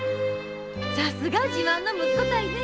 さすが自慢の息子たいね。